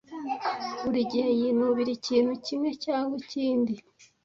Buri gihe yinubira ikintu kimwe cyangwa ikindi.